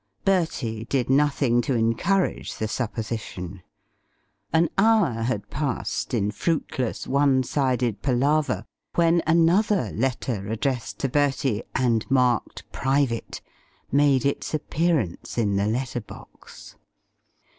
Bertie did nothing to encourage the supposition. An hour had passed in fruitless one sided palaver when another letter addressed to Bertie and marked "private" made its appearance in the letter box.